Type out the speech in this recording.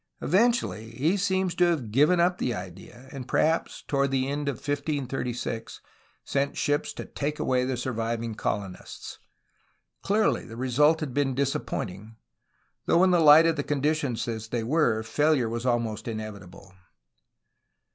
Eventually, he seems to have given up the idea, and perhaps toward the end of 1536 sent ships to take away the surviving colonists. Clearly the result had been disappointing, though in the light of conditions as they were, failure was almost inevitable.